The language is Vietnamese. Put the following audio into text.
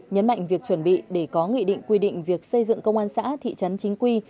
nhấn mạnh việc chuẩn bị để có nghị định quy định việc xây dựng công an xã thị trấn chính quy